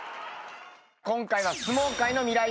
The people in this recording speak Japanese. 今回は相撲界のミライ☆